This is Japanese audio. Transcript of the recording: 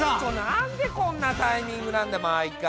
なんでこんなタイミングなんだ毎回！